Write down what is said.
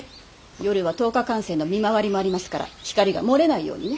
夜は灯火管制の見回りもありますから光が漏れないようにね。